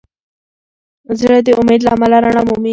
زړه د امید له امله رڼا مومي.